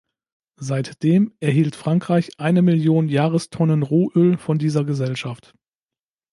Seitdem erhielt Frankreich eine Million Jahrestonnen Rohöl von dieser Gesellschaft.